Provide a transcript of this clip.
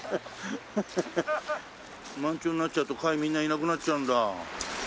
満潮になっちゃうと貝みんないなくなっちゃうんだ。